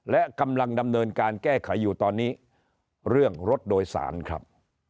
และกำลังดำเนินการแก้ไขอยู่ตอนนี้เรื่องรถโดยสารครับ